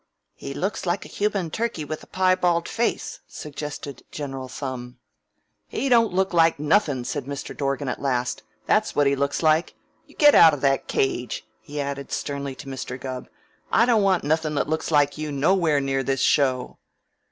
"He looks like a human turkey with a piebald face," suggested General Thumb. "He don't look like nothin'!" said Mr. Dorgan at last. "That's what he looks like. You get out of that cage!" he added sternly to Mr. Gubb. "I don't want nothin' that looks like you nowhere near this show."